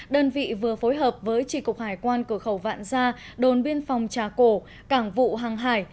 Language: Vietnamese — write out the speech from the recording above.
đơn vị vừa phối hợp với tri cục hải quan cửa khẩu vạn gia đồn biên phòng trà cổ cảng vụ hàng hải